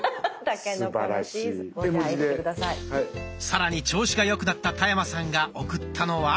さらに調子が良くなった田山さんが送ったのは。